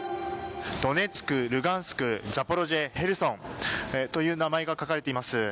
ドネツク、ルハンシクザポリージャ、ヘルソンという名前が書かれています。